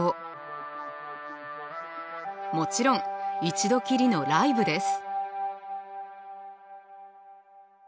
もちろん一度きりのライブです。